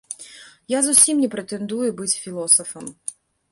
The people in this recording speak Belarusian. Я зусім не прэтэндую быць філосафам.